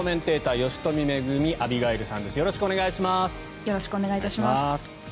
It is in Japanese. よろしくお願いします。